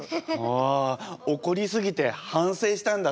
わ怒り過ぎて反省したんだって。